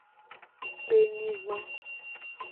Kpenyigba.